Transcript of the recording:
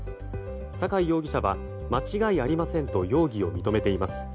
酒井容疑者は間違いありませんと容疑を認めています。